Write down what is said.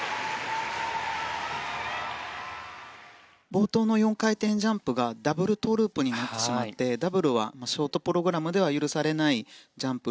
冒頭の４回転ジャンプがダブルトウループになってしまいダブルはショートプログラムでは許されないジャンプ。